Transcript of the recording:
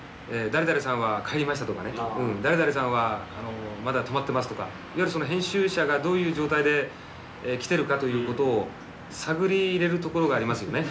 誰々さんは帰りましたとか誰々さんはまだ泊まってますとかいわゆる編集者がどういう状態で来てるかということを探り入れるところがありますよね。